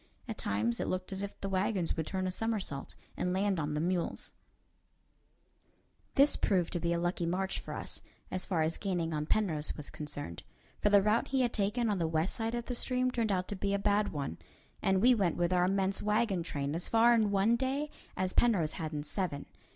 At times it looked as if the wagons would turn a somersault and land on the mules. [Illustration: I DISENTANGLED MYSELF AND JUMPED BEHIND THE DEAD BODY OF THE HORSE.] This proved to be a lucky march for us, as far as gaining on Penrose was concerned; for the route he had taken on the west side of the stream turned out to be a bad one, and we went with our immense wagon train as far in one day as Penrose had in seven.